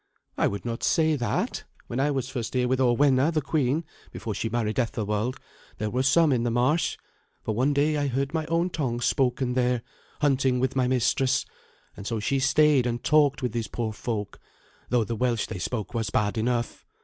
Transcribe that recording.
"I would not say that. When I was first here with Orwenna the queen, before she married Ethelwald, there were some in the marsh; for one day I heard my own tongue spoken there, hunting with my mistress; and so she stayed and talked with these poor folk, though the Welsh they spoke was bad enough.